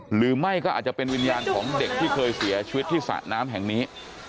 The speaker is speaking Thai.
หรือไม่ก็อาจจะเป็นวิญญาณของเด็กที่เคยเสียชีวิตที่สระน้ำแห่งนี้